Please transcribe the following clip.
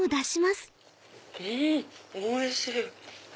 おいしい！